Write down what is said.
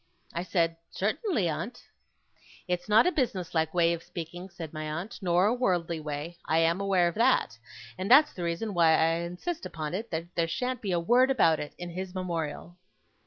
I said: 'Certainly, aunt.' 'It's not a business like way of speaking,' said my aunt, 'nor a worldly way. I am aware of that; and that's the reason why I insist upon it, that there shan't be a word about it in his Memorial.